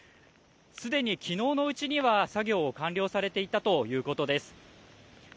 すでにきのうのうちには作業を完了されていたということです。